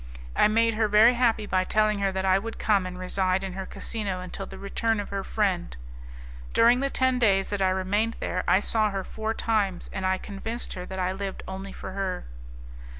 I made her very happy by telling her that I would come and reside in her casino until the return of her friend. During the ten days that I remained there, I saw her four times, and I convinced her that I lived only for her.